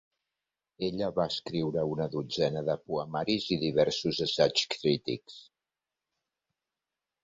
Ella va escriure una dotzena de poemaris i diversos assaigs crítics.